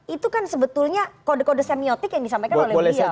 itu kan sebetulnya kode kode semiotik yang disampaikan oleh beliau